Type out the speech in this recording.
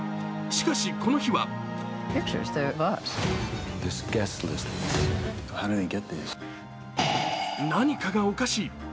しかし、この日は何かがおかしい。